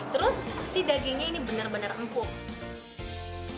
terus si dagingnya ini benar benar empuk